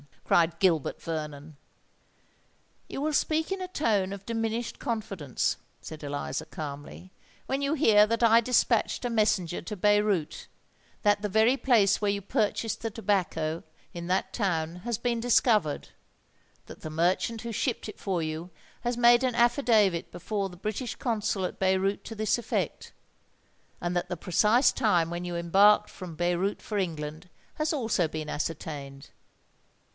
cried Gilbert Vernon. "You will speak in a tone of diminished confidence," said Eliza, calmly, "when you hear that I despatched a messenger to Beyrout—that the very place where you purchased the tobacco in that town has been discovered—that the merchant who shipped it for you has made an affidavit before the British Consul at Beyrout to this effect—and that the precise time when you embarked from Beyrout for England has also been ascertained.